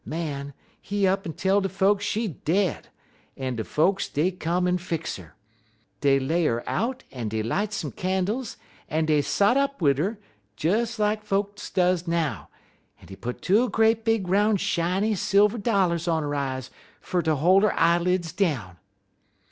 Man, he up'n tell de folks she dead, en de folks dey come en fix 'er. Dey lay 'er out, en dey light some candles, en dey sot up wid 'er, des like folks does now; en dey put two great big roun' shiny silver dollars on 'er eyes fer ter hol' 'er eyeleds down."